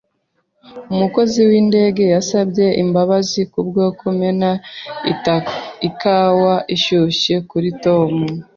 Umukozi windege yasabye imbabazi kubwo kumena ikawa ishyushye kuri Tom.